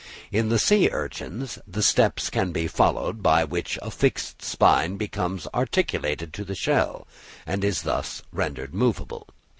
In the sea urchins the steps can be followed by which a fixed spine becomes articulated to the shell, and is thus rendered movable.